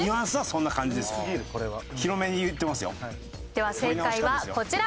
では正解はこちら。